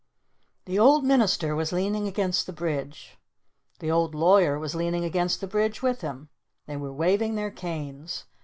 The Old Minister was leaning against the Bridge. The Old Lawyer was leaning against the Bridge with him. They were waving their canes.